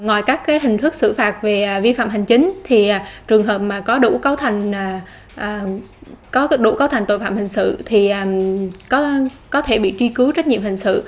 ngoài các hình thức xử phạt về vi phạm hành chính trường hợp có đủ cấu thành tội phạm hình sự có thể bị truy cứu trách nhiệm hình sự